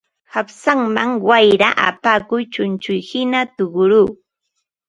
Qapsanman wayra apaykuq chunchullhina tuquru